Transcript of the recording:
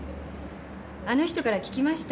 あの人から聞きました。